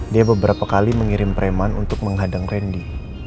dia beberapa kali mengirim preman untuk menghadang randy